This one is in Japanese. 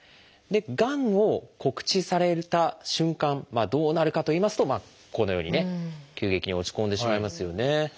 がんを告知された瞬間どうなるかといいますとこのようにね急激に落ち込んでしまいますよね。